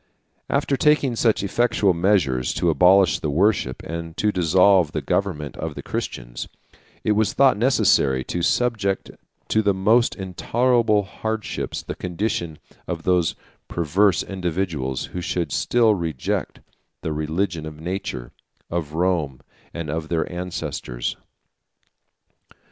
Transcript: After taking such effectual measures to abolish the worship, and to dissolve the government of the Christians, it was thought necessary to subject to the most intolerable hardships the condition of those perverse individuals who should still reject the religion of nature, of Rome, and of their ancestors.